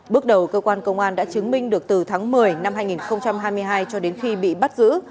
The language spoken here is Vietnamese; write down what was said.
bước đầu cơ quan công an đã chứng minh được từ tháng một mươi năm hai nghìn hai mươi hai cho đến khi bị bắt giữ